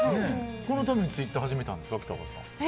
このためにツイッター始めたんですか？